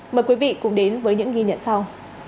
mời quý vị cùng đến với những ghi nhận sau